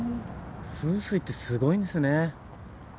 風水ってすごいんですね。